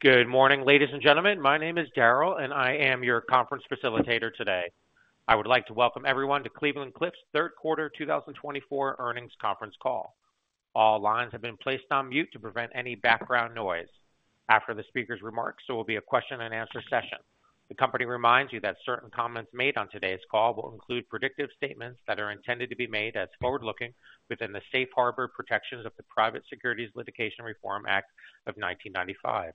Good morning, ladies and gentlemen. My name is Darrell, and I am your conference facilitator today. I would like to welcome everyone to Cleveland-Cliffs' Q3 2024 earnings conference call. All lines have been placed on mute to prevent any background noise. After the speaker's remarks, there will be a Q&A session. The company reminds you that certain comments made on today's call will include predictive statements that are intended to be made as forward-looking within the safe harbor protections of the Private Securities Litigation Reform Act of 1995.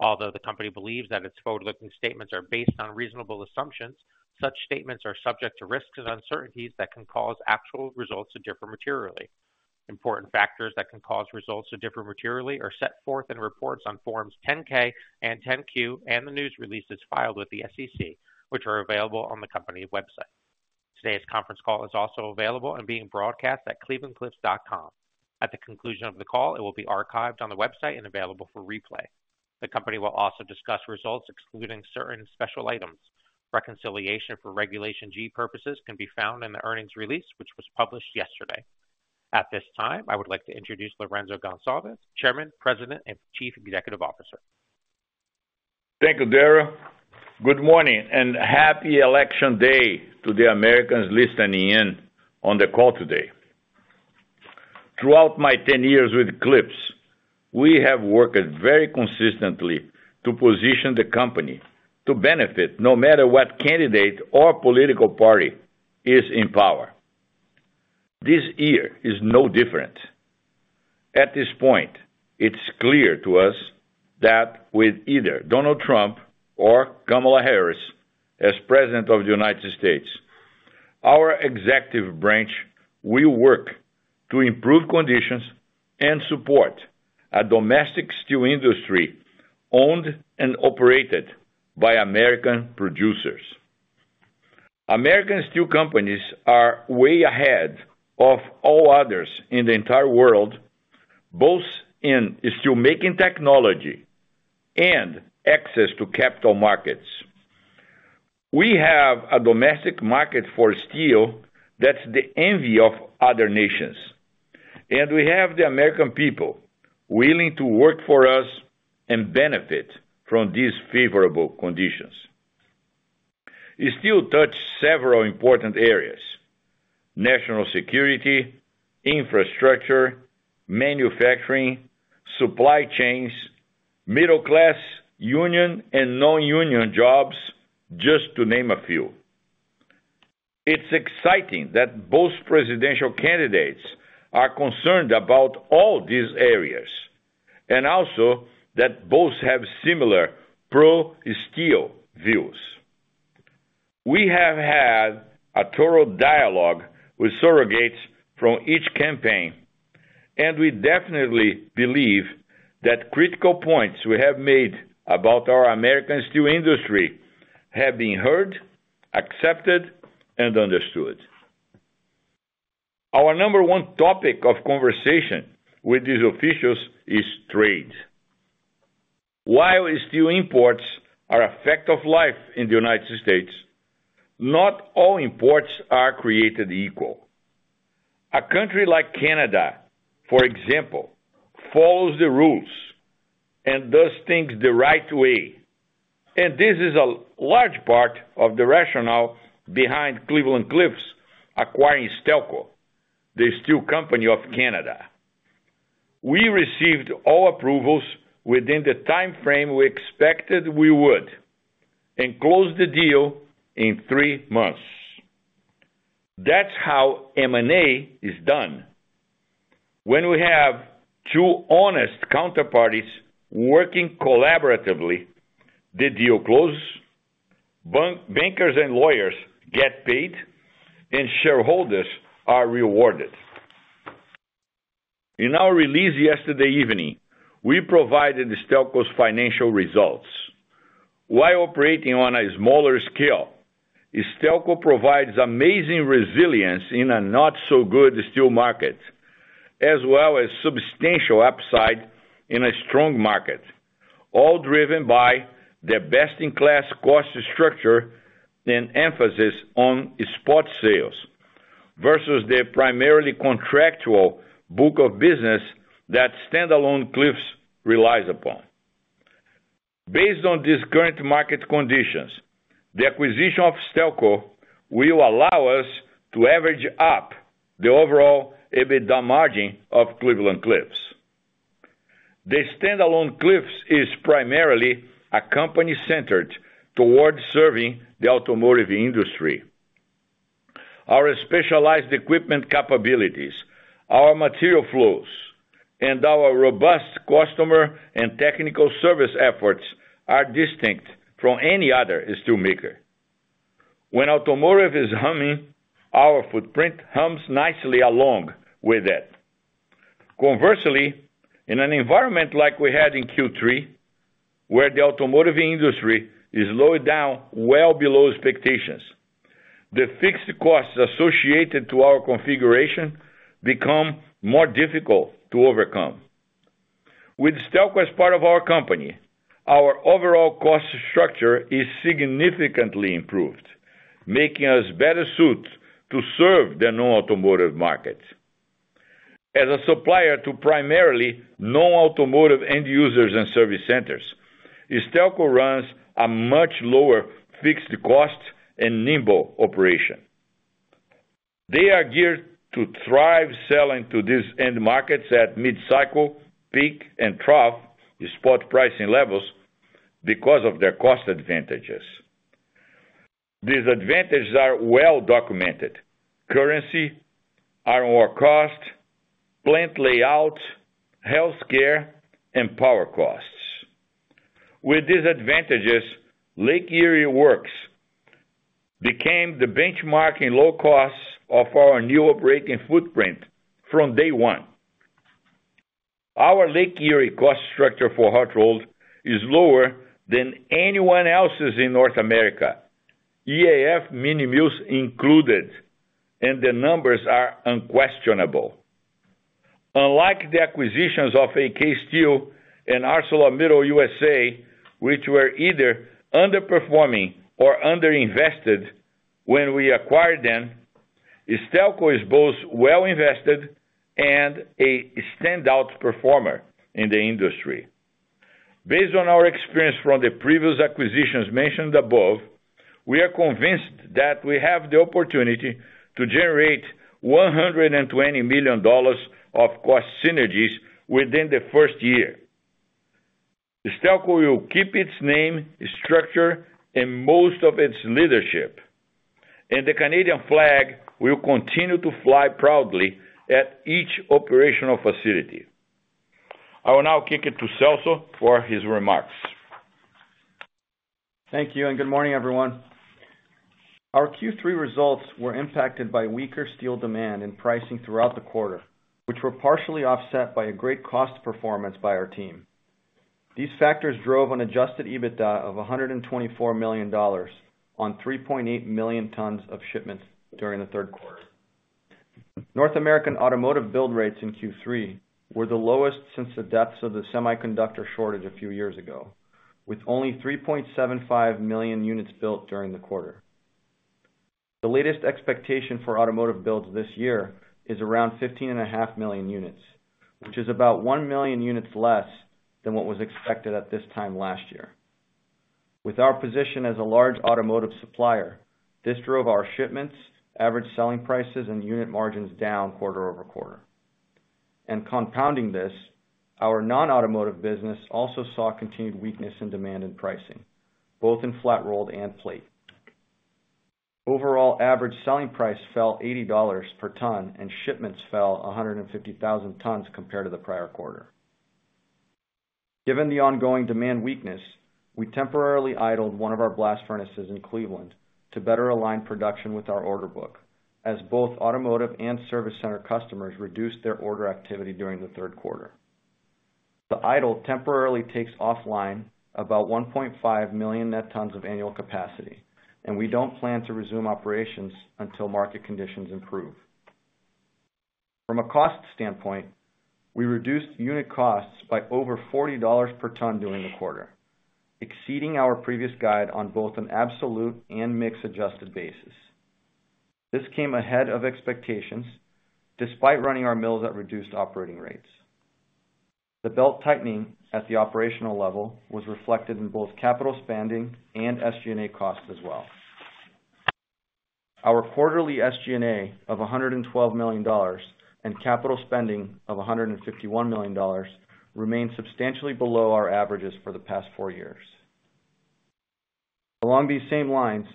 Although the company believes that its forward-looking statements are based on reasonable assumptions, such statements are subject to risks and uncertainties that can cause actual results to differ materially. Important factors that can cause results to differ materially are set forth in reports on Forms 10-K and 10-Q, and the news releases filed with the SEC, which are available on the company website. Today's conference call is also available and being broadcast at clevelandcliffs.com. At the conclusion of the call, it will be archived on the website and available for replay. The company will also discuss results excluding certain special items. Reconciliation for Regulation G purposes can be found in the earnings release, which was published yesterday. At this time, I would like to introduce Lourenco Goncalves, Chairman, President, and Chief Executive Officer. Thank you, Darrell. Good morning and happy election day to the Americans listening in on the call today. Throughout my 10 years with Cliffs, we have worked very consistently to position the company to benefit no matter what candidate or political party is in power. This year is no different. At this point, it's clear to us that with either Donald Trump or Kamala Harris as President of the United States, our executive branch will work to improve conditions and support a domestic steel industry owned and operated by American producers. American steel companies are way ahead of all others in the entire world, both in steelmaking technology and access to capital markets. We have a domestic market for steel that's the envy of other nations, and we have the American people willing to work for us and benefit from these favorable conditions. Steel touches several important areas: national security, infrastructure, manufacturing, supply chains, middle-class, union, and non-union jobs, just to name a few. It's exciting that both presidential candidates are concerned about all these areas, and also that both have similar pro-steel views. We have had a thorough dialogue with surrogates from each campaign, and we definitely believe that critical points we have made about our American steel industry have been heard, accepted, and understood. Our number one topic of conversation with these officials is trade. While steel imports are a fact of life in the United States, not all imports are created equal. A country like Canada, for example, follows the rules and does things the right way, and this is a large part of the rationale behind Cleveland-Cliffs acquiring Stelco, the steel company of Canada. We received all approvals within the time frame we expected we would and closed the deal in three months. That's how M&A is done. When we have two honest counterparties working collaboratively, the deal closes, bankers and lawyers get paid, and shareholders are rewarded. In our release yesterday evening, we provided Stelco's financial results. While operating on a smaller scale, Stelco provides amazing resilience in a not-so-good steel market, as well as substantial upside in a strong market, all driven by the best-in-class cost structure and emphasis on spot sales versus the primarily contractual book of business that standalone Cliffs relies upon. Based on these current market conditions, the acquisition of Stelco will allow us to average up the overall EBITDA margin of Cleveland-Cliffs. The standalone Cliffs is primarily a company centered toward serving the automotive industry. Our specialized equipment capabilities, our material flows, and our robust customer and technical service efforts are distinct from any other steelmaker. When automotive is humming, our footprint hums nicely along with it. Conversely, in an environment like we had in Q3, where the automotive industry is lowered down well below expectations, the fixed costs associated to our configuration become more difficult to overcome. With Stelco as part of our company, our overall cost structure is significantly improved, making us better suited to serve the non-automotive market. As a supplier to primarily non-automotive end users and service centers, Stelco runs a much lower fixed cost and nimble operation. They are geared to thrive selling to these end markets at mid-cycle, peak, and trough spot pricing levels because of their cost advantages. These advantages are well documented: currency, iron ore cost, plant layout, healthcare, and power costs. With these advantages, Lake Erie Works became the benchmark in low costs of our new operating footprint from day one. Our Lake Erie cost structure for hot-rolled is lower than anyone else's in North America, EAF mini mills included, and the numbers are unquestionable. Unlike the acquisitions of AK Steel and ArcelorMittal U.S.A, which were either underperforming or underinvested when we acquired them, Stelco is both well-invested and a standout performer in the industry. Based on our experience from the previous acquisitions mentioned above, we are convinced that we have the opportunity to generate $120 million of cost synergies within the first year. Stelco will keep its name, structure, and most of its leadership, and the Canadian flag will continue to fly proudly at each operational facility. I will now kick it to Celso for his remarks. Thank you, and good morning, everyone. Our Q3 results were impacted by weaker steel demand and pricing throughout the quarter, which were partially offset by a great cost performance by our team. These factors drove an Adjusted EBITDA of $124 million on 3.8 million tons of shipments during the Q3. North American automotive build rates in Q3 were the lowest since the depths of the semiconductor shortage a few years ago, with only 3.75 million units built during the quarter. The latest expectation for automotive builds this year is around 15.5 million units, which is about 1 million units less than what was expected at this time last year. With our position as a large automotive supplier, this drove our shipments, average selling prices, and unit margins down quarter over quarter. Compounding this, our non-automotive business also saw continued weakness in demand and pricing, both in flat rolled and plate. Overall, average selling price fell $80 per ton, and shipments fell 150,000 tons compared to the prior quarter. Given the ongoing demand weakness, we temporarily idled one of our blast furnaces in Cleveland to better align production with our order book, as both automotive and service center customers reduced their order activity during the Q3. The idle temporarily takes offline about 1.5 million net tons of annual capacity, and we don't plan to resume operations until market conditions improve. From a cost standpoint, we reduced unit costs by over $40 per ton during the quarter, exceeding our previous guide on both an absolute and mixed adjusted basis. This came ahead of expectations despite running our mills at reduced operating rates. The belt tightening at the operational level was reflected in both capital spending and SG&A costs as well. Our quarterly SG&A of $112 million and capital spending of $151 million remained substantially below our averages for the past four years. Along these same lines,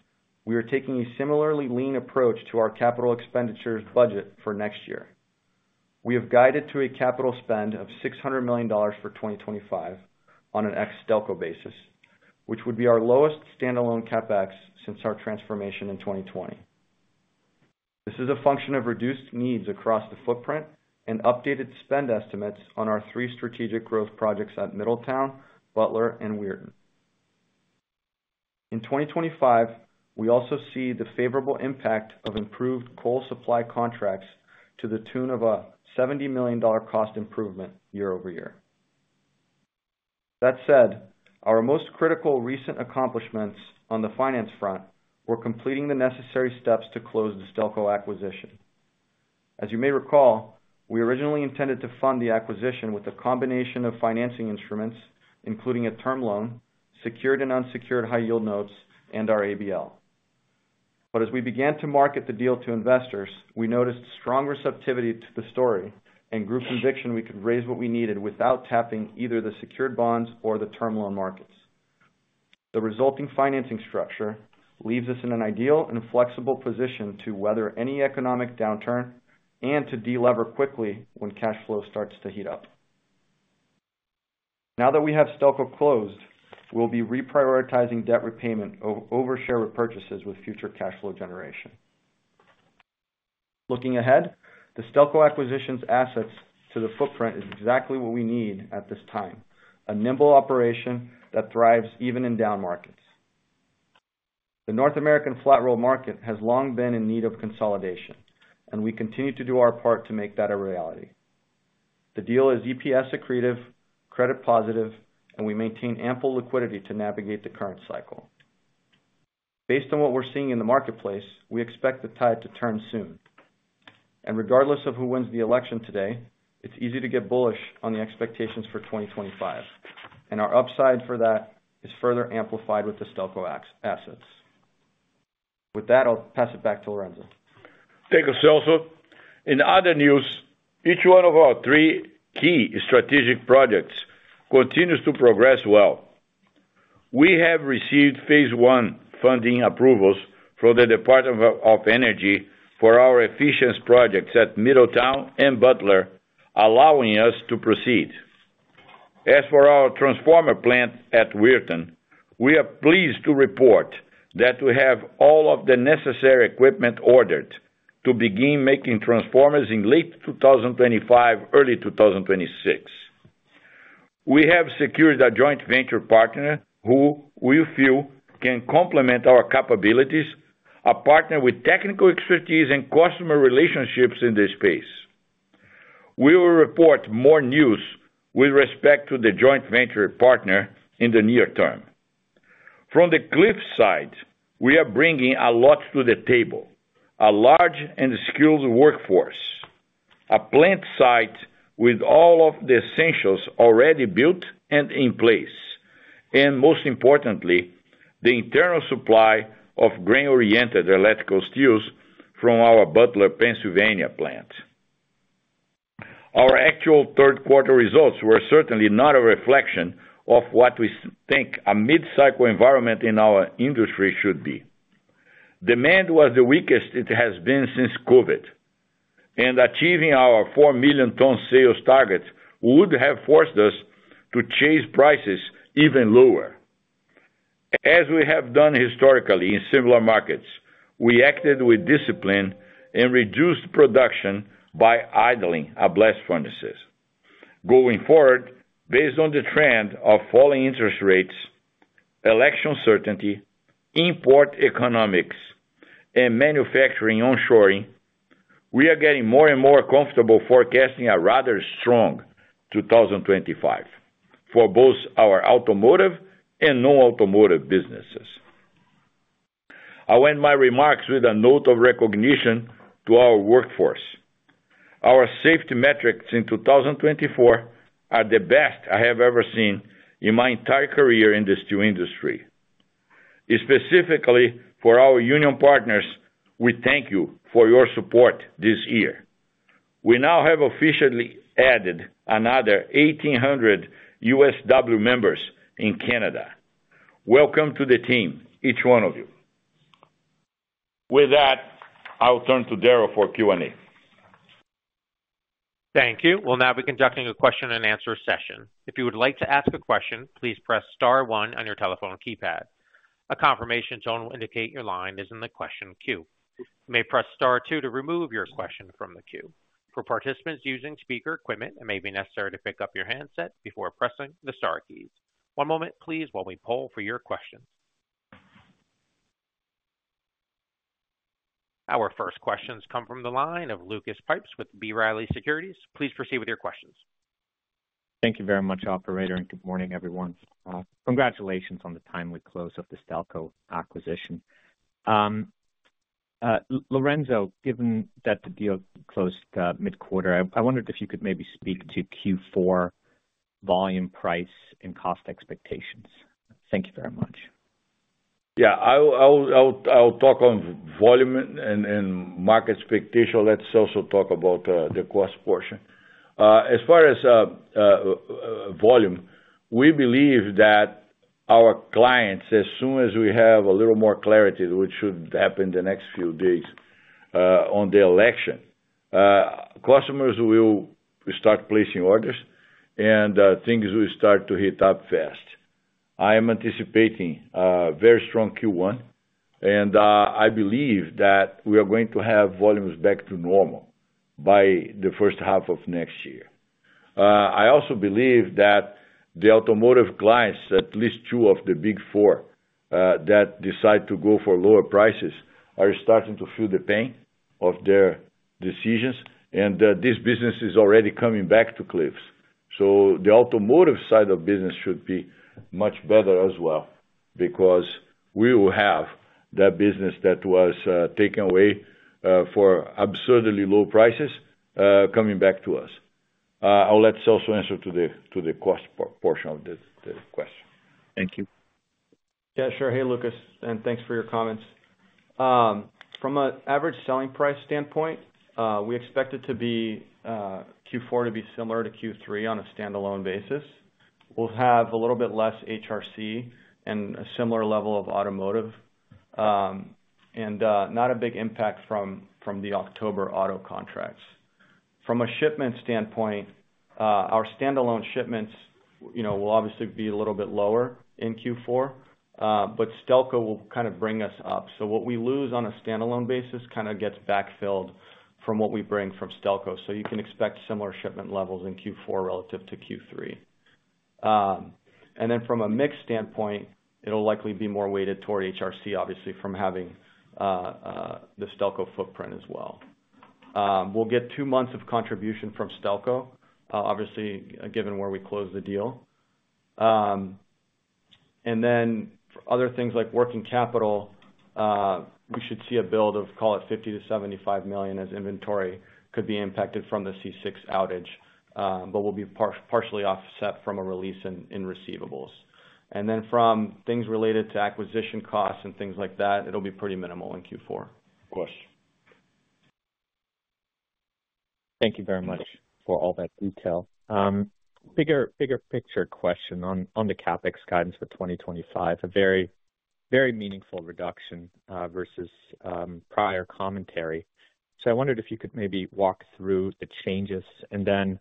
we are taking a similarly lean approach to our capital expenditures budget for next year. We have guided to a capital spend of $600 million for 2025 on an ex-Stelco basis, which would be our lowest standalone CapEx since our transformation in 2020. This is a function of reduced needs across the footprint and updated spend estimates on our three strategic growth projects at Middletown, Butler, and Weirton. In 2025, we also see the favorable impact of improved coal supply contracts to the tune of a $70 million cost improvement year over year. That said, our most critical recent accomplishments on the finance front were completing the necessary steps to close the Stelco acquisition. As you may recall, we originally intended to fund the acquisition with a combination of financing instruments, including a term loan, secured and unsecured high-yield notes, and our ABL, but as we began to market the deal to investors, we noticed strong receptivity to the story and grew conviction we could raise what we needed without tapping either the secured bonds or the term loan markets. The resulting financing structure leaves us in an ideal and flexible position to weather any economic downturn and to delever quickly when cash flow starts to heat up. Now that we have Stelco closed, we'll be reprioritizing debt repayment over share repurchases with future cash flow generation. Looking ahead, the Stelco acquisition's assets to the footprint is exactly what we need at this time: a nimble operation that thrives even in down markets. The North American flat roll market has long been in need of consolidation, and we continue to do our part to make that a reality. The deal is EPS accretive, credit positive, and we maintain ample liquidity to navigate the current cycle. Based on what we're seeing in the marketplace, we expect the tide to turn soon. And regardless of who wins the election today, it's easy to get bullish on the expectations for 2025, and our upside for that is further amplified with the Stelco assets. With that, I'll pass it back to Lourenco. Thank you, Celso. In other news, each one of our three key strategic projects continues to progress well. We have received phase I funding approvals from the Department of Energy for our efficient projects at Middletown and Butler, allowing us to proceed. As for our transformer plant at Weirton, we are pleased to report that we have all of the necessary equipment ordered to begin making transformers in late 2025, early 2026. We have secured a joint venture partner who we feel can complement our capabilities, a partner with technical expertise and customer relationships in this space. We will report more news with respect to the joint venture partner in the near term. From the Cliffs side, we are bringing a lot to the table: a large and skilled workforce, a plant site with all of the essentials already built and in place, and most importantly, the internal supply of grain-oriented electrical steels from our Butler, Pennsylvania plant. Our actual Q3 results were certainly not a reflection of what we think a mid-cycle environment in our industry should be. Demand was the weakest it has been since COVID, and achieving our four million ton sales target would have forced us to chase prices even lower. As we have done historically in similar markets, we acted with discipline and reduced production by idling our blast furnaces. Going forward, based on the trend of falling interest rates, election certainty, import economics, and manufacturing onshoring, we are getting more and more comfortable forecasting a rather strong 2025 for both our automotive and non-automotive businesses. I'll end my remarks with a note of recognition to our workforce. Our safety metrics in 2024 are the best I have ever seen in my entire career in the steel industry. Specifically for our union partners, we thank you for your support this year. We now have officially added another 1,800 U.S.W members in Canada. Welcome to the team, each one of you. With that, I'll turn to Darrell for Q&A. Thank you. We'll now be conducting a question and answer session. If you would like to ask a question, please press star one on your telephone keypad. A confirmation tone will indicate your line is in the question queue. You may press star two to remove your question from the queue. For participants using speaker equipment, it may be necessary to pick up your handset before pressing the star keys. One moment, please, while we poll for your questions. Our first questions come from the line of Lucas Pipes with B. Riley Securities. Please proceed with your questions. Thank you very much, Operator, and good morning, everyone. Congratulations on the timely close of the Stelco acquisition. Lourenco, given that the deal closed mid-quarter, I wondered if you could maybe speak to Q4 volume, price, and cost expectations. Thank you very much. Yeah, I'll talk on volume and market expectation. Let's also talk about the cost portion. As far as volume, we believe that our clients, as soon as we have a little more clarity, which should happen in the next few days on the election, customers will start placing orders and things will start to heat up fast. I am anticipating a very strong Q1, and I believe that we are going to have volumes back to normal by the first half of next year. I also believe that the automotive clients, at least two of the big four that decide to go for lower prices, are starting to feel the pain of their decisions, and this business is already coming back to Cliffs. So the automotive side of business should be much better as well because we will have that business that was taken away for absurdly low prices coming back to us. I'll let Celso answer to the cost portion of the question. Thank you. Yeah, sure. Hey, Lucas, and thanks for your comments. From an average selling price standpoint, we expect it to be Q4 to be similar to Q3 on a standalone basis. We'll have a little bit less HRC and a similar level of automotive, and not a big impact from the October auto contracts. From a shipment standpoint, our standalone shipments will obviously be a little bit lower in Q4, but Stelco will kind of bring us up. So what we lose on a standalone basis kind of gets backfilled from what we bring from Stelco. So you can expect similar shipment levels in Q4 relative to Q3. And then from a mix standpoint, it'll likely be more weighted toward HRC, obviously, from having the Stelco footprint as well. We'll get two months of contribution from Stelco, obviously, given where we close the deal. For other things like working capital, we should see a build of, call it, $50 million to 75 million as inventory could be impacted from the C6 outage, but we'll be partially offset from a release in receivables. From things related to acquisition costs and things like that, it'll be pretty minimal in Q4. Of course. Thank you very much for all that detail. Bigger picture question on the CapEx guidance for 2025, a very meaningful reduction versus prior commentary. So I wondered if you could maybe walk through the changes, and then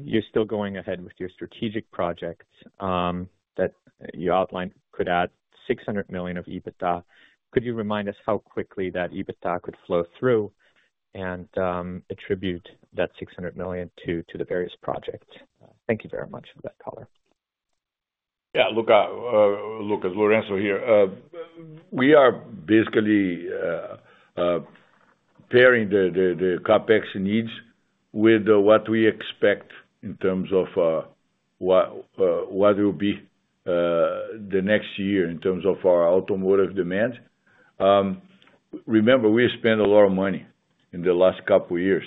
you're still going ahead with your strategic projects that you outlined could add $600 million of EBITDA. Could you remind us how quickly that EBITDA could flow through and attribute that $600 million to the various projects? Thank you very much for that color. Yeah, Lucas, Lourenco here. We are basically pairing the CapEx needs with what we expect in terms of what will be the next year in terms of our automotive demand. Remember, we spent a lot of money in the last couple of years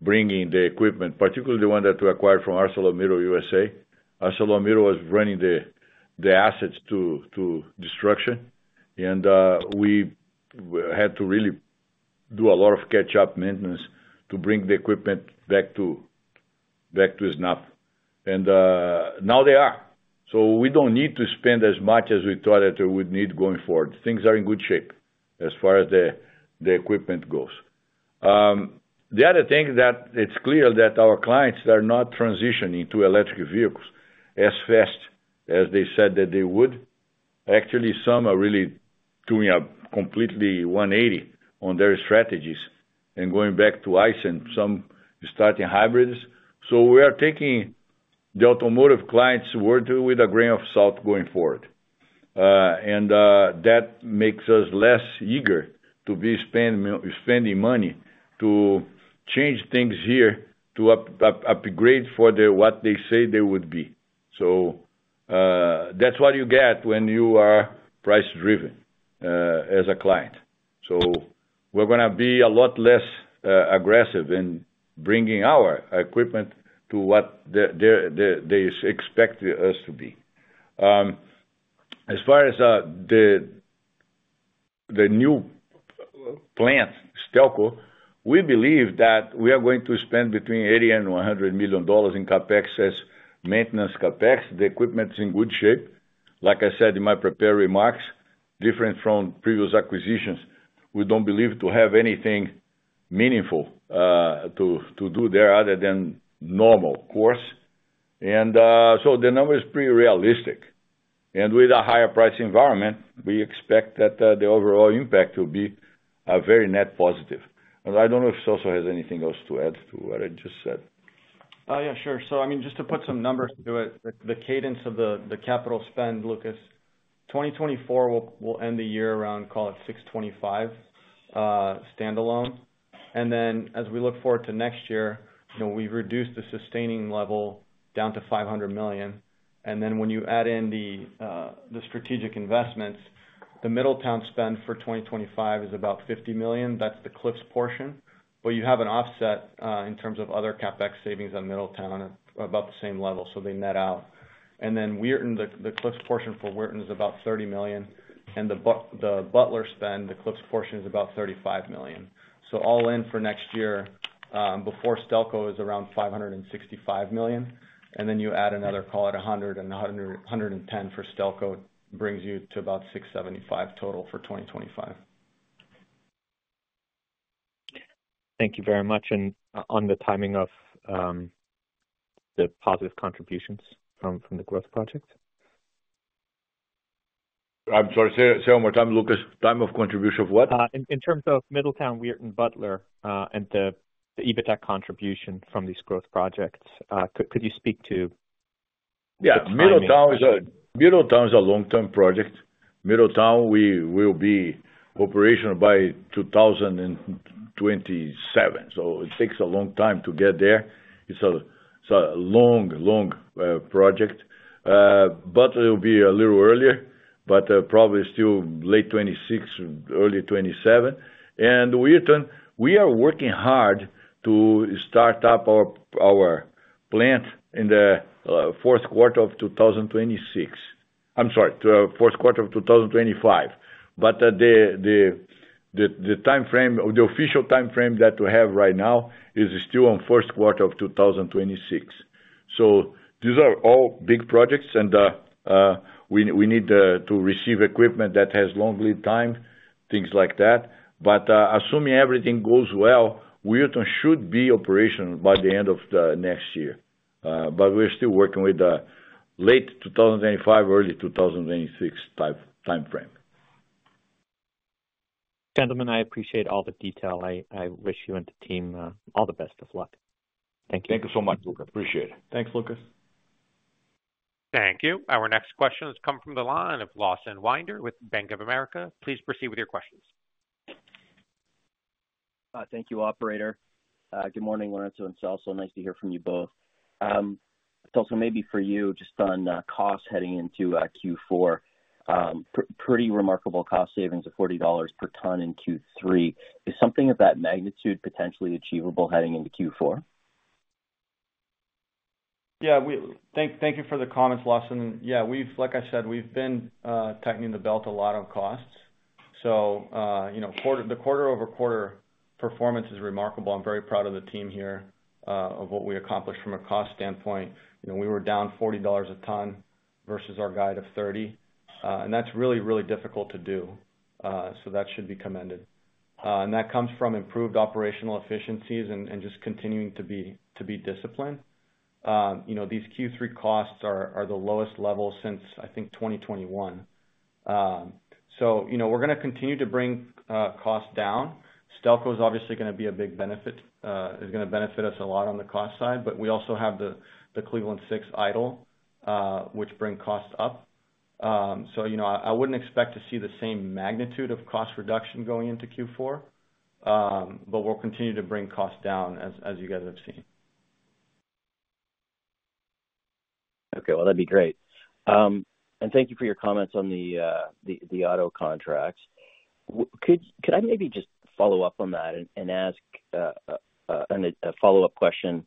bringing the equipment, particularly the one that we acquired from ArcelorMittal U.S.A. ArcelorMittal was running the assets to destruction, and we had to really do a lot of catch-up maintenance to bring the equipment back to SNAP. And now they are. So we don't need to spend as much as we thought that we would need going forward. Things are in good shape as far as the equipment goes. The other thing that it's clear that our clients are not transitioning to electric vehicles as fast as they said that they would. Actually, some are really doing a completely 180 on their strategies and going back to ICE, and some starting hybrids. So we are taking the automotive clients' word with a grain of salt going forward. And that makes us less eager to be spending money to change things here to upgrade for what they say they would be. So that's what you get when you are price-driven as a client. So we're going to be a lot less aggressive in bringing our equipment to what they expect us to be. As far as the new plant, Stelco, we believe that we are going to spend between $80 million and $100 million in CapEx as maintenance CapEx. The equipment is in good shape. Like I said in my prepared remarks, different from previous acquisitions, we don't believe to have anything meaningful to do there other than normal course. And so the number is pretty realistic. And with a higher price environment, we expect that the overall impact will be a very net positive. And I don't know if Celso has anything else to add to what I just said. Yeah, sure. So I mean, just to put some numbers to it, the cadence of the capital spend, Lucas, 2024 will end the year around, call it $625 million standalone. And then as we look forward to next year, we've reduced the sustaining level down to $500 million. And then when you add in the strategic investments, the Middletown spend for 2025 is about $50 million. That's the Cliffs portion. But you have an offset in terms of other CapEx savings on Middletown at about the same level. So they net out. And then the Cliffs portion for Weirton is about $30 million. And the Butler spend, the Cliffs portion is about $35 million. So all in for next year before Stelco is around $565 million. And then you add another, call it $100 million and $110 million for Stelco, brings you to about $675 million total for 2025. Thank you very much. And on the timing of the positive contributions from the growth projects? I'm sorry, say one more time, Lucas. Time of contribution of what? In terms of Middletown, Weirton, Butler, and the EBITDA contribution from these growth projects, could you speak to? Yeah, Middletown is a long-term project. Middletown will be operational by 2027. So it takes a long time to get there. It's a long, long project. But it'll be a little earlier, but probably still late 2026, early 2027. And Weirton, we are working hard to start up our plant in the Q4 of 2026. I'm sorry, the Q4 of 2025. But the official timeframe that we have right now is still on the Q4 of 2026. So these are all big projects, and we need to receive equipment that has long lead time, things like that. But assuming everything goes well, Weirton should be operational by the end of next year. But we're still working with the late 2025, early 2026 timeframe. Gentlemen, I appreciate all the detail. I wish you and the team all the best of luck. Thank you. Thank you so much, Lucas. Appreciate it. Thanks, Lucas. Thank you. Our next question has come from the line of Lawson Winder with Bank of America. Please proceed with your questions. Thank you, Operator. Good morning, Lourenco and Celso. Nice to hear from you both. Celso, maybe for you, just on costs heading into Q4, pretty remarkable cost savings of $40 per ton in Q3. Is something of that magnitude potentially achievable heading into Q4? Yeah, thank you for the comments, Lawson. Yeah, like I said, we've been tightening the belt a lot on costs. So the quarter-over-quarter performance is remarkable. I'm very proud of the team here of what we accomplished from a cost standpoint. We were down $40 a ton versus our guide of 30. And that's really, really difficult to do. So that should be commended. And that comes from improved operational efficiencies and just continuing to be disciplined. These Q3 costs are the lowest level since, I think, 2021. So we're going to continue to bring costs down. Stelco is obviously going to be a big benefit, is going to benefit us a lot on the cost side. But we also have the Cleveland-Cliffs idle, which brings costs up. So I wouldn't expect to see the same magnitude of cost reduction going into Q4, but we'll continue to bring costs down as you guys have seen. Okay, well, that'd be great. And thank you for your comments on the auto contracts. Could I maybe just follow up on that and ask a follow-up question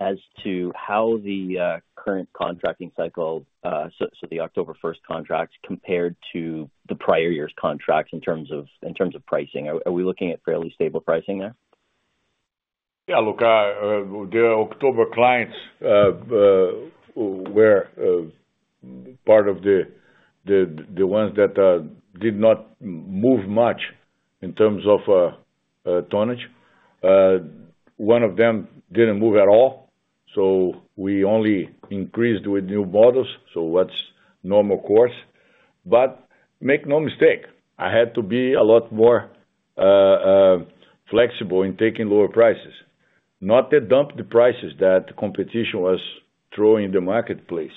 as to how the current contracting cycle, so the October 1st contracts compared to the prior year's contracts in terms of pricing? Are we looking at fairly stable pricing there? Yeah, look, the October clients were part of the ones that did not move much in terms of tonnage. One of them didn't move at all. So we only increased with new models. So that's normal course. But make no mistake, I had to be a lot more flexible in taking lower prices. Not to dump the prices that competition was throwing in the marketplace,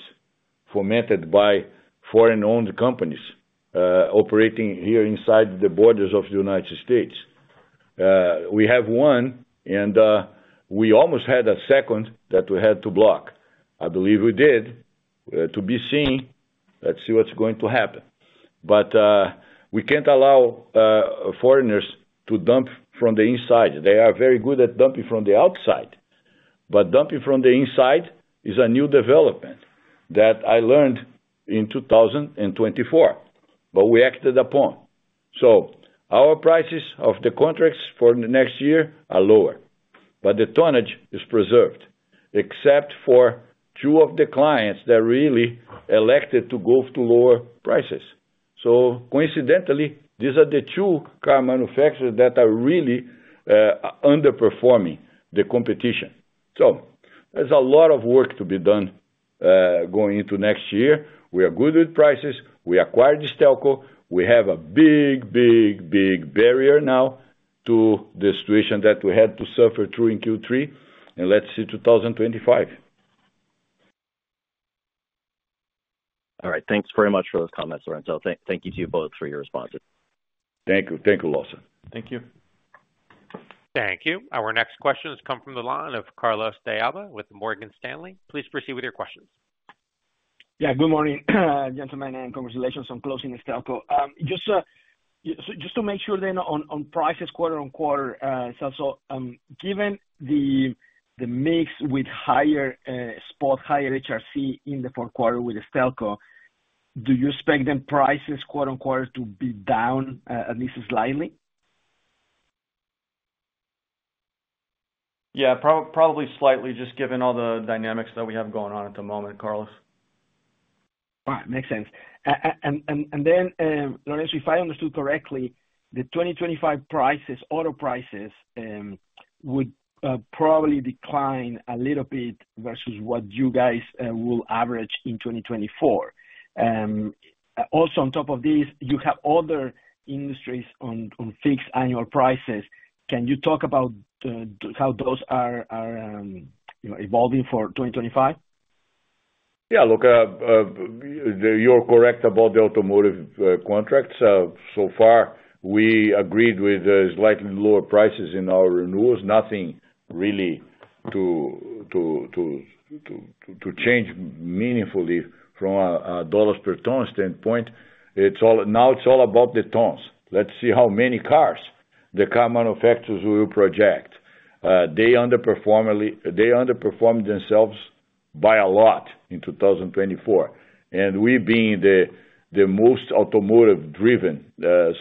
fomented by foreign-owned companies operating here inside the borders of the United States. We have one, and we almost had a second that we had to block. I believe we did. To be seen. Let's see what's going to happen. But we can't allow foreigners to dump from the inside. They are very good at dumping from the outside. But dumping from the inside is a new development that I learned in 2024, but we acted upon. So our prices of the contracts for the next year are lower, but the tonnage is preserved, except for two of the clients that really elected to go to lower prices. So coincidentally, these are the two car manufacturers that are really underperforming the competition. So there's a lot of work to be done going into next year. We are good with prices. We acquired Stelco. We have a big, big, big barrier now to the situation that we had to suffer through in Q3. And let's see 2025. All right. Thanks very much for those comments, Lourenco. Thank you to you both for your responses. Thank you. Thank you, Lawson. Thank you. Thank you. Our next question has come from the line of Carlos De Alba with Morgan Stanley. Please proceed with your questions. Yeah, good morning, gentlemen, and congratulations on closing Stelco. Just to make sure then on prices quarter on quarter, Celso, given the mix with higher spot, higher HRC in the Q4 with Stelco, do you expect then prices quarter on quarter to be down at least slightly? Yeah, probably slightly, just given all the dynamics that we have going on at the moment, Carlos. All right, makes sense. And then, Lourenco, if I understood correctly, the 2025 prices, auto prices would probably decline a little bit versus what you guys will average in 2024. Also, on top of this, you have other industries on fixed annual prices. Can you talk about how those are evolving for 2025? Yeah, look, you're correct about the automotive contracts. So far, we agreed with slightly lower prices in our renewals. Nothing really to change meaningfully from a dollar per ton standpoint. Now it's all about the tons. Let's see how many cars the car manufacturers will project. They underperformed themselves by a lot in 2024. And we being the most automotive-driven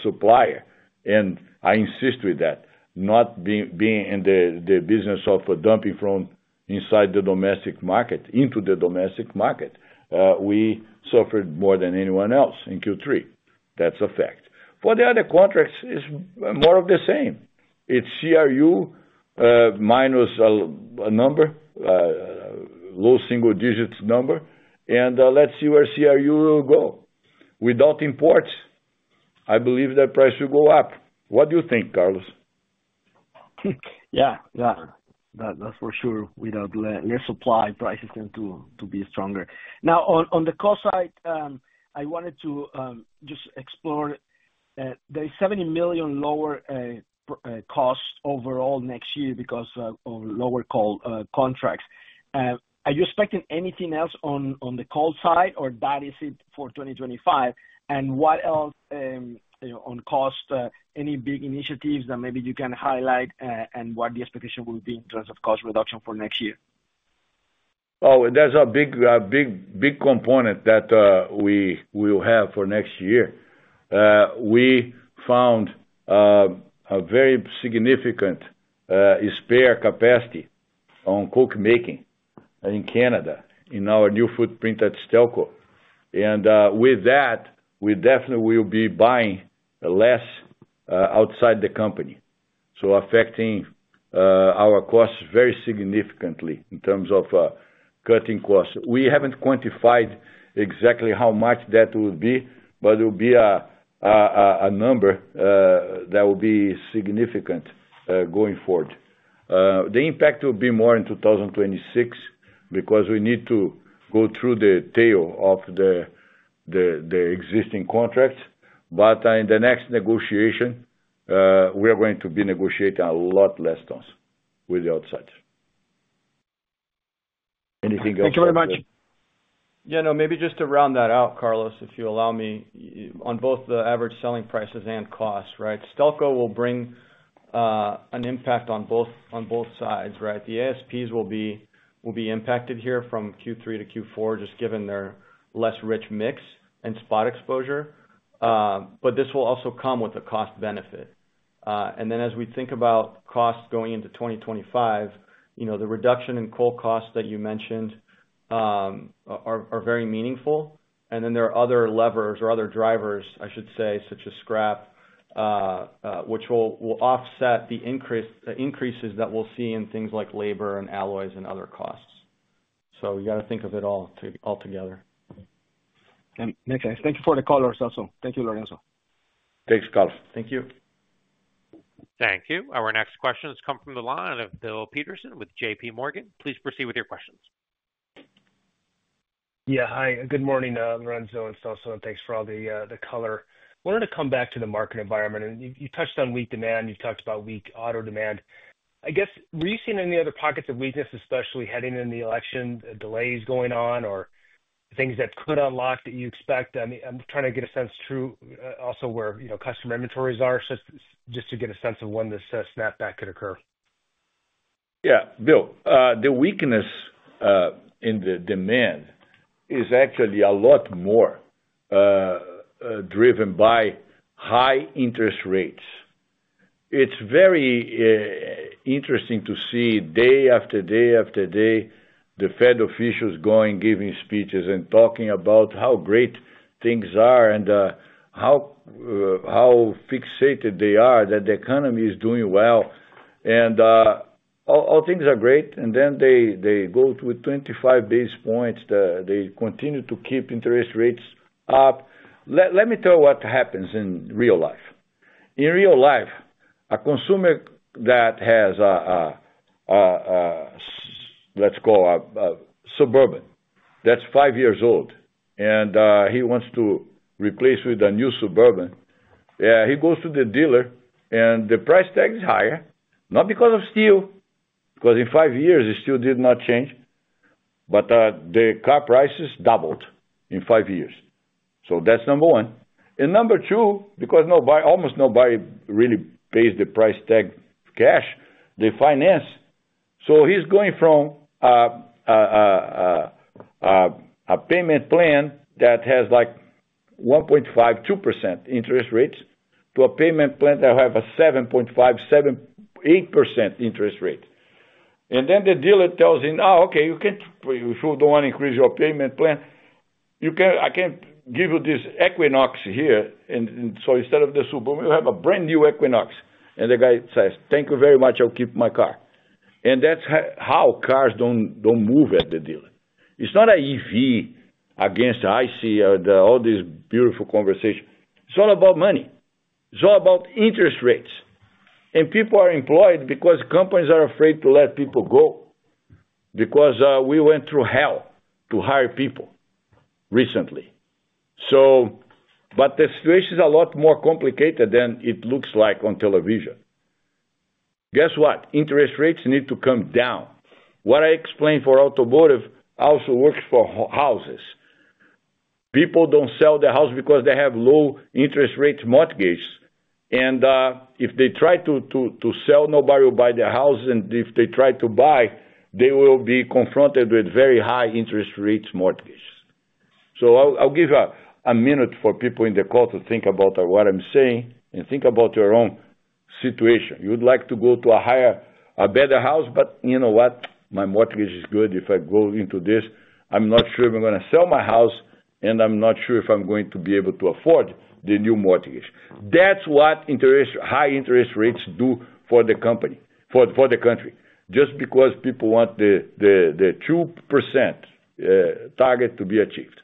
supplier. And I insist with that, not being in the business of dumping from inside the domestic market into the domestic market. We suffered more than anyone else in Q3. That's a fact. For the other contracts, it's more of the same. It's CRU minus a number, low single digits number. And let's see where CRU will go. Without imports, I believe that price will go up. What do you think, Carlos? Yeah, yeah. That's for sure. Without less supply, prices tend to be stronger. Now, on the cost side, I wanted to just explore. There is $70 million lower cost overall next year because of lower contracts. Are you expecting anything else on the call side, or that is it for 2025? And what else on cost? Any big initiatives that maybe you can highlight and what the expectation will be in terms of cost reduction for next year? Oh, there's a big component that we will have for next year. We found a very significant spare capacity on coke making in Canada in our new footprint at Stelco. And with that, we definitely will be buying less outside the company. So affecting our costs very significantly in terms of cutting costs. We haven't quantified exactly how much that will be, but it will be a number that will be significant going forward. The impact will be more in 2026 because we need to go through the tail of the existing contracts. But in the next negotiation, we are going to be negotiating a lot less tons with the outsiders. Anything else? Thank you very much. Yeah, no, maybe just to round that out, Carlos, if you allow me, on both the average selling prices and costs, right? Stelco will bring an impact on both sides, right? The ASPs will be impacted here from Q3 to Q4, just given their less rich mix and spot exposure. But this will also come with a cost benefit. And then as we think about costs going into 2025, the reduction in coal costs that you mentioned are very meaningful. And then there are other levers or other drivers, I should say, such as scrap, which will offset the increases that we'll see in things like labor and alloys and other costs. So you got to think of it all together. Thanks for the call, Celso. Thank you, Lourenco. Thanks, Carlos. Thank you. Thank you. Our next question has come from the line of Bill Peterson with JPMorgan. Please proceed with your questions. Yeah, hi. Good morning, Lourenco, and Celso. And thanks for all the color. I wanted to come back to the market environment. And you touched on weak demand. You've talked about weak auto demand. I guess, were you seeing any other pockets of weakness, especially heading into the election, delays going on, or things that could unlock that you expect? I'm trying to get a sense, too, as to where customer inventories are, just to get a sense of when the snapback could occur. Yeah, Bill, the weakness in the demand is actually a lot more driven by high interest rates. It's very interesting to see day after day after day the Fed officials going, giving speeches and talking about how great things are and how fixated they are that the economy is doing well. And all things are great. And then they go to 25 basis points. They continue to keep interest rates up. Let me tell you what happens in real life. In real life, a consumer that has, let's call, a Suburban that's five years old, and he wants to replace with a new Suburban, he goes to the dealer, and the price tag is higher, not because of steel, because in five years, steel did not change, but the car prices doubled in five years. So that's number one. Number two, because almost nobody really pays the price tag cash, they finance. He is going from a payment plan that has like 1.5% to 2% interest rates to a payment plan that will have a 7.5%, 7%, 8% interest rate. Then the dealer tells him, "Oh, okay, if you don't want to increase your payment plan, I can give you this Equinox here." Instead of the Suburban, we have a brand new Equinox. The guy says, "Thank you very much. I'll keep my car." That's how cars don't move at the dealer. It's not an EV against IC, all these beautiful conversations. It's all about money. It's all about interest rates. People are employed because companies are afraid to let people go because we went through hell to hire people recently. But the situation is a lot more complicated than it looks like on television. Guess what? Interest rates need to come down. What I explained for automotive also works for houses. People don't sell their house because they have low interest rate mortgages. And if they try to sell, nobody will buy their house. And if they try to buy, they will be confronted with very high interest rate mortgages. So I'll give a minute for people in the call to think about what I'm saying and think about your own situation. You would like to go to a better house, but you know what? My mortgage is good. If I go into this, I'm not sure if I'm going to sell my house, and I'm not sure if I'm going to be able to afford the new mortgage. That's what high interest rates do for the country, just because people want the 2% target to be achieved.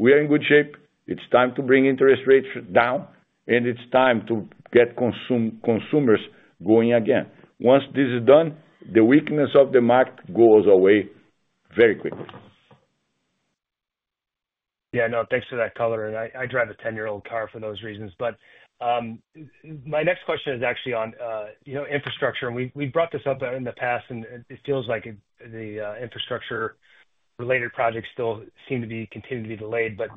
We are in good shape. It's time to bring interest rates down, and it's time to get consumers going again. Once this is done, the weakness of the market goes away very quickly. Yeah, no, thanks for that color. I drive a 10-year-old car for those reasons. But my next question is actually on infrastructure. And we've brought this up in the past, and it feels like the infrastructure-related projects still seem to continue to be delayed. But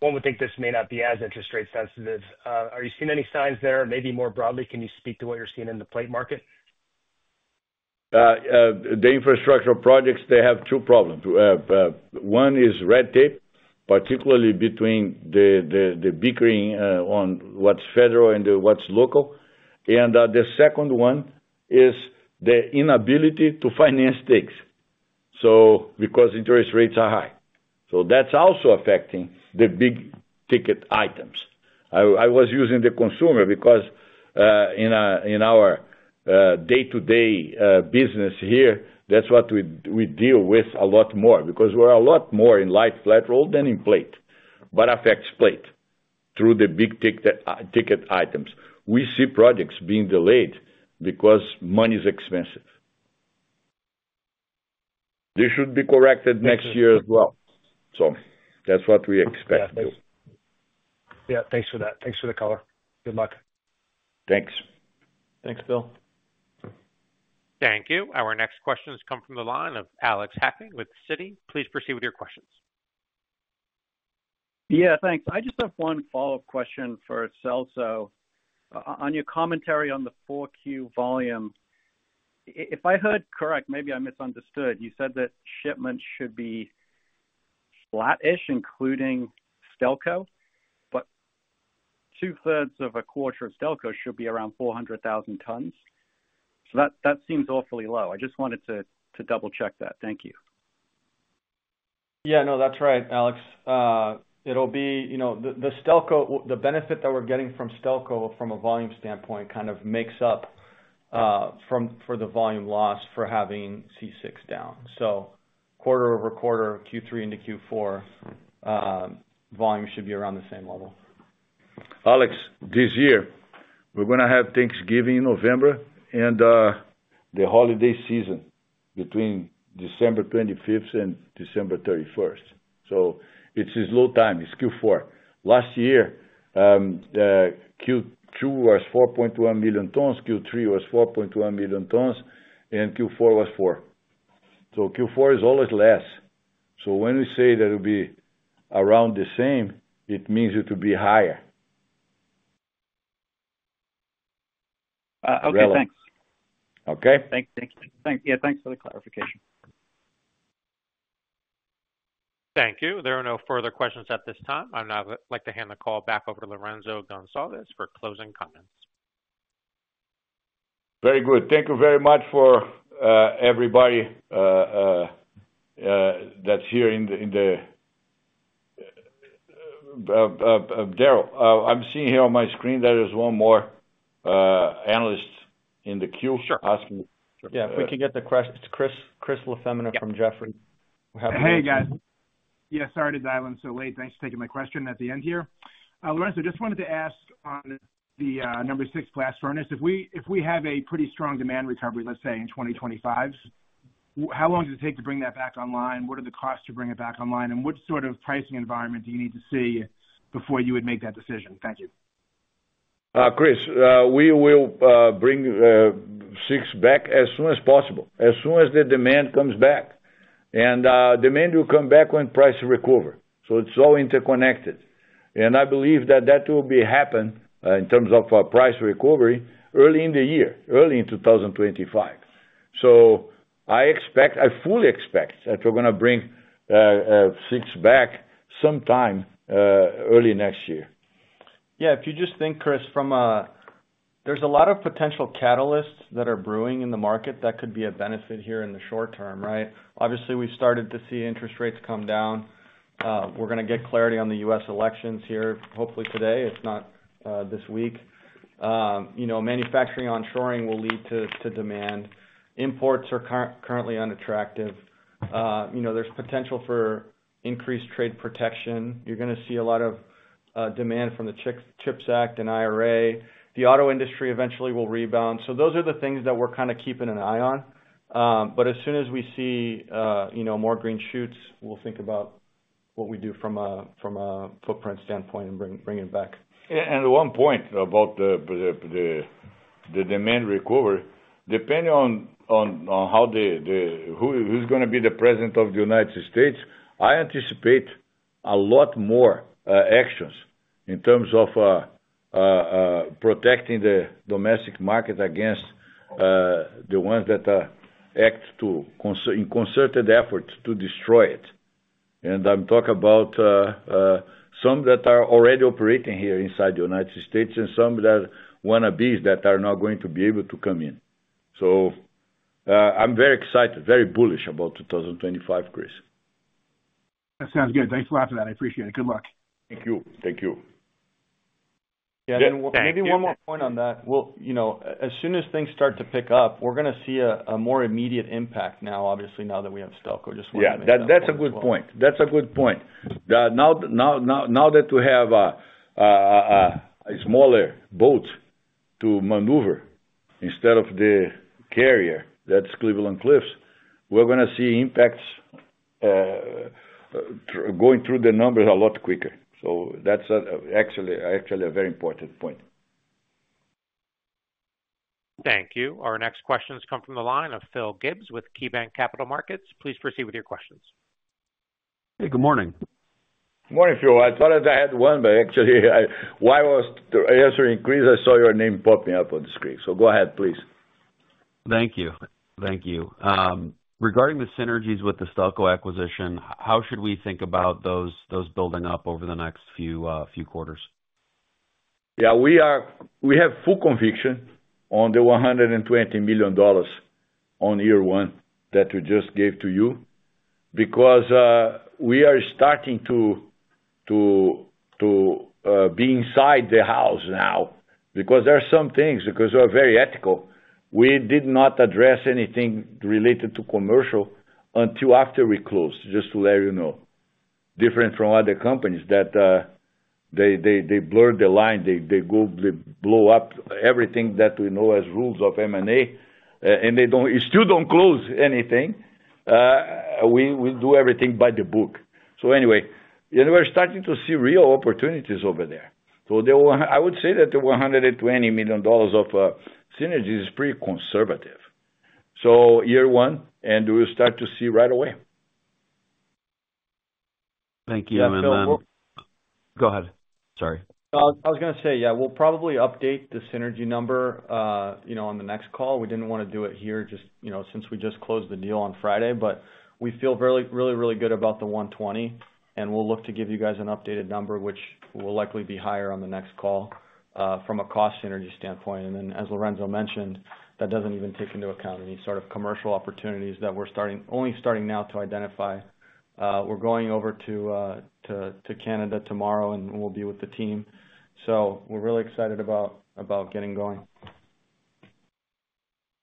one would think this may not be as interest rate sensitive. Are you seeing any signs there? Maybe more broadly, can you speak to what you're seeing in the plate market? The infrastructure projects, they have two problems. One is red tape, particularly between the bickering on what's federal and what's local, and the second one is the inability to finance things because interest rates are high, so that's also affecting the big ticket items. I was using the consumer because in our day-to-day business here, that's what we deal with a lot more because we're a lot more in light, flat, roll than in plate, but affects plate through the big ticket items. We see projects being delayed because money is expensive. This should be corrected next year as well, so that's what we expect to do. Yeah, thanks for that. Thanks for the color. Good luck. Thanks. Thanks, Bill. Thank you. Our next question has come from the line of Alex Hacking with Citi. Please proceed with your questions. Yeah, thanks. I just have one follow-up question for Celso. On your commentary on the Q4 volume, if I heard correct, maybe I misunderstood, you said that shipments should be flat-ish, including Stelco, but two-thirds of a quarter of Stelco should be around 400,000 tons. So that seems awfully low. I just wanted to double-check that. Thank you. Yeah, no, that's right, Alex. It'll be the benefit that we're getting from Stelco from a volume standpoint kind of makes up for the volume loss for having C6 down. So quarter over quarter, Q3 into Q4, volume should be around the same level. Alex, this year, we're going to have Thanksgiving in November and the holiday season between December 25th and December 31st. So it's slow time. It's Q4. Last year, Q2 was 4.1 million tons, Q3 was 4.1 million tons, and Q4 was 4. So Q4 is always less. So when we say that it'll be around the same, it means it will be higher. Okay, thanks. Okay? Thanks. Yeah, thanks for the clarification. Thank you. There are no further questions at this time. I'd now like to hand the call back over to Lourenco Goncalves for closing comments. Very good. Thank you very much for everybody that's here, Darrell. I'm seeing here on my screen there is one more analyst in the queue asking. Yeah, if we can get the question. It's Chris LaFemina from Jefferies. Hey, guys. Yeah, sorry to dial in so late. Thanks for taking my question at the end here. Lourenco, just wanted to ask on the number six blast furnace, if we have a pretty strong demand recovery, let's say, in 2025, how long does it take to bring that back online? What are the costs to bring it back online? And what sort of pricing environment do you need to see before you would make that decision? Thank you. Chris, we will bring six back as soon as possible, as soon as the demand comes back. And demand will come back when prices recover. So it's all interconnected. And I believe that that will happen in terms of price recovery early in the year, early in 2025. So I fully expect that we're going to bring six back sometime early next year. Yeah, if you just think, Chris, from a there's a lot of potential catalysts that are brewing in the market that could be a benefit here in the short term, right? Obviously, we've started to see interest rates come down. We're going to get clarity on the U.S. elections here, hopefully today, if not this week. Manufacturing onshoring will lead to demand. Imports are currently unattractive. There's potential for increased trade protection. You're going to see a lot of demand from the CHIPS Act and IRA. The auto industry eventually will rebound. So those are the things that we're kind of keeping an eye on. But as soon as we see more green shoots, we'll think about what we do from a footprint standpoint and bring it back. And one point about the demand recovery, depending on who's going to be the president of the United States, I anticipate a lot more actions in terms of protecting the domestic market against the ones that act in concerted efforts to destroy it. And I'm talking about some that are already operating here inside the United States and some that want to be that are not going to be able to come in. So I'm very excited, very bullish about 2025, Chris. That sounds good. Thanks a lot for that. I appreciate it. Good luck. Thank you. Thank you. Yeah, then maybe one more point on that, well, as soon as things start to pick up, we're going to see a more immediate impact now, obviously, now that we have Stelco, just wanted to make sure. Yeah, that's a good point. That's a good point. Now that we have a smaller boat to maneuver instead of the carrier that's Cleveland-Cliffs, we're going to see impacts going through the numbers a lot quicker. So that's actually a very important point. Thank you. Our next questions come from the line of Phil Gibbs with KeyBanc Capital Markets. Please proceed with your questions. Hey, good morning. Good morning, Phil. I thought I had one, but actually, while I was answering Chris, I saw your name popping up on the screen. So go ahead, please. Thank you. Thank you. Regarding the synergies with the Stelco acquisition, how should we think about those building up over the next few quarters? Yeah, we have full conviction on the $120 million on year one that we just gave to you because we are starting to be inside the house now because there are some things, because we're very ethical. We did not address anything related to commercial until after we closed, just to let you know. Different from other companies that they blur the line. They blow up everything that we know as rules of M&A, and they still don't close anything. We do everything by the book. So anyway, we're starting to see real opportunities over there. So I would say that the $120 million of synergies is pretty conservative. So year one, and we'll start to see right away. Thank you. And then go ahead. Sorry. I was going to say, yeah, we'll probably update the synergy number on the next call. We didn't want to do it here just since we just closed the deal on Friday, but we feel really, really good about the 120, and we'll look to give you guys an updated number, which will likely be higher on the next call from a cost synergy standpoint. And then, as Lourenco mentioned, that doesn't even take into account any sort of commercial opportunities that we're only starting now to identify. We're going over to Canada tomorrow, and we'll be with the team. So we're really excited about getting going.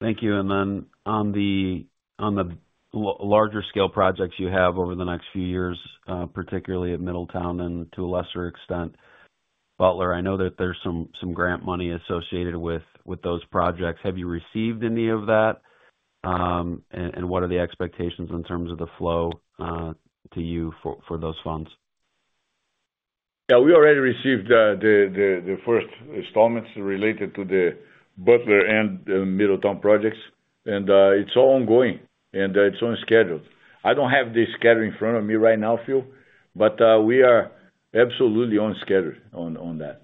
Thank you. And then on the larger scale projects you have over the next few years, particularly at Middletown and to a lesser extent, Butler, I know that there's some grant money associated with those projects. Have you received any of that? And what are the expectations in terms of the flow to you for those funds? Yeah, we already received the first installments related to the Butler and Middletown projects, and it's all ongoing, and it's on schedule. I don't have the schedule in front of me right now, Phil, but we are absolutely on schedule on that.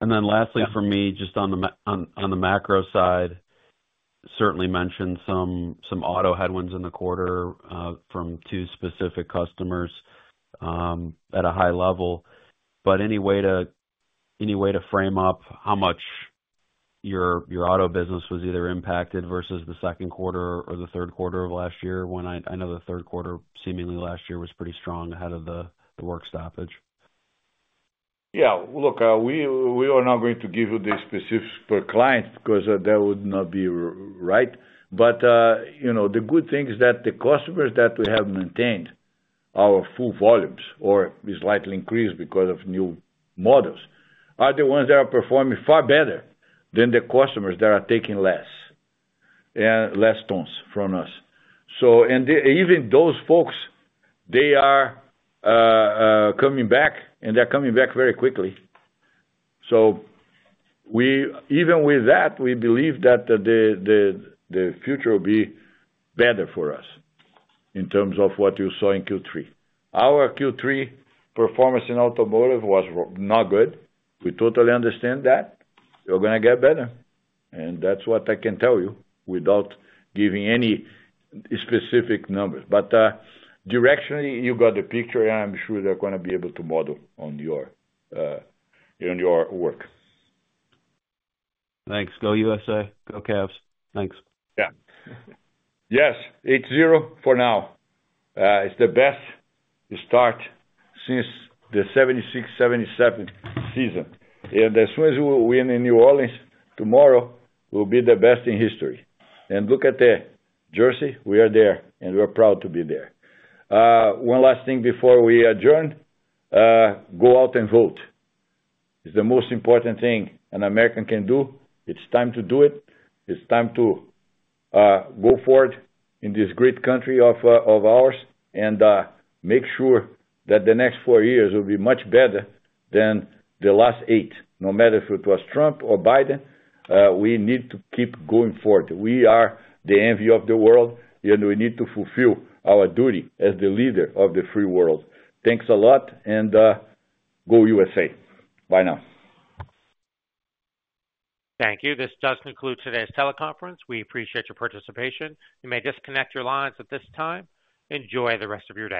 And then lastly, for me, just on the macro side, certainly mentioned some auto headwinds in the quarter from two specific customers at a high level. But any way to frame up how much your auto business was either impacted versus the Q2 or the Q3 of last year? I know the Q3, seemingly last year, was pretty strong ahead of the work stoppage. Yeah. Look, we are not going to give you the specifics per client because that would not be right. But the good thing is that the customers that we have maintained our full volumes or slightly increased because of new models are the ones that are performing far better than the customers that are taking less tons from us. And even those folks, they are coming back, and they're coming back very quickly. So even with that, we believe that the future will be better for us in terms of what you saw in Q3. Our Q3 performance in automotive was not good. We totally understand that. We're going to get better. And that's what I can tell you without giving any specific numbers. But directionally, you got the picture, and I'm sure they're going to be able to model on your work. Thanks. Go U.S.A. Go Cavs. Thanks. Yeah. Yes, 8-0 for now. It's the best start since the 1976, 1977 season. And as soon as we win in New Orleans tomorrow, we'll be the best in history. And look at the jersey. We are there, and we're proud to be there. One last thing before we adjourn. Go out and vote. It's the most important thing an American can do. It's time to do it. It's time to go forward in this great country of ours and make sure that the next four years will be much better than the last eight, no matter if it was Trump or Biden. We need to keep going forward. We are the envy of the world, and we need to fulfill our duty as the leader of the free world. Thanks a lot, and go U.S.A. Bye now. Thank you. This does conclude today's teleconference. We appreciate your participation. You may disconnect your lines at this time. Enjoy the rest of your day.